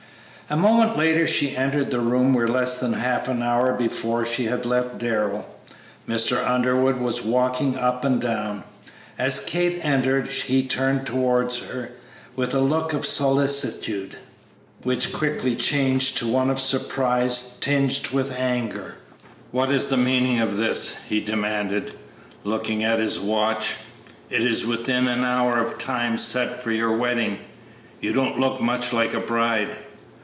A moment later she entered the room where less than half an hour before she had left Darrell. Mr. Underwood was walking up and down. As Kate entered he turned towards her with a look of solicitude, which quickly changed to one of surprise, tinged with anger. "What is the meaning of this?" he demanded, looking at his watch; "it is within an hour of the time set for your wedding; you don't look much like a bride.